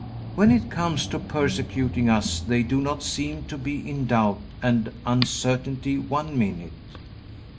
When it comes to persecuting us they do not seem to be in doubt and uncertainty one minute.